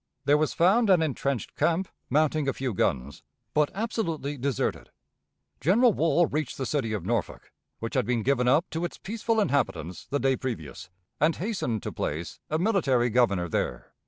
There was found an intrenched camp mounting a few guns, but absolutely deserted. General Wool reached the city of Norfolk, which had been given up to its peaceful inhabitants the day previous, and hastened to place a military governor there."